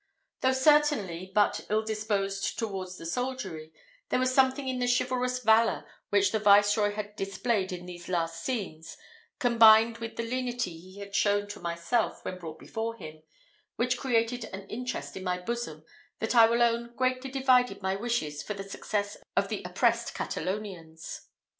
Though certainly but ill disposed towards the soldiery, there was something in the chivalrous valour which the viceroy had displayed in these last scenes, combined with the lenity he had shown to myself when brought before him, which created an interest in my bosom that I will own greatly divided my wishes for the success of the oppressed Catalonians.